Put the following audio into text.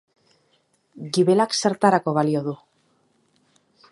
Gibelak zertarako balio du?